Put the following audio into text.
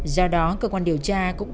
do đó cơ quan điều tra cũng